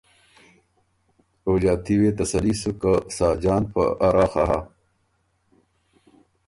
او ݫاتي وې تسلي سُک که ساجان په اراخه هۀ